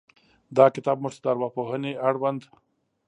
دا کتاب موږ ته د ارواپوهنې اړوند